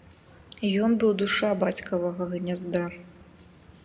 Ён быў душа бацькавага гнязда.